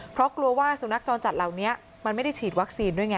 เพราะกลัวว่าสุนัขจรจัดเหล่านี้มันไม่ได้ฉีดวัคซีนด้วยไง